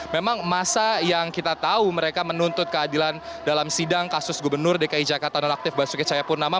memang masa yang kita tahu mereka menuntut keadilan dalam sidang kasus gubernur dki jakarta nonaktif basuki cahayapurnama